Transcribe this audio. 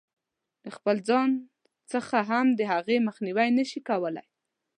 د خپل ځان څخه هم د هغې مخنیوی نه شي کولای.